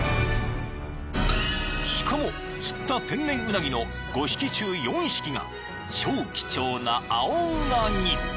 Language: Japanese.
［しかも釣った天然うなぎの５匹中４匹が超貴重な青うなぎ］